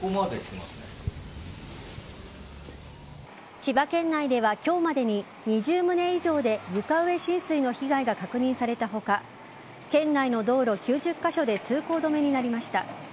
千葉県内では今日までに２０棟以上で床上浸水の被害が確認された他県内の道路９０カ所で通行止めになりました。